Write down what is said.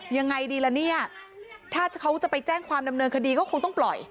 ยังไงดีละเนี่ยถ้าเขาจะไปแจ้งความดำเนินคดีก็คงต้องปล่อย